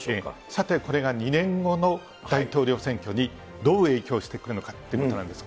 さて、これが２年後の大統領選挙にどう影響してくるのかということなんです。